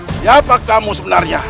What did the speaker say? siapa kamu sebenarnya